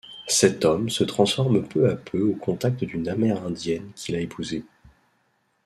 Cet homme se transforme peu à peu au contact d'une Amérindienne qu'il a épousée.